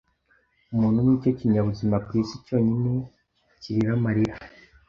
Umuntu ni cyo kinyabuzima ku isi cyonyine kirira amarira